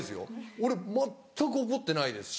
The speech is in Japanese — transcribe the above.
俺全く怒ってないですし。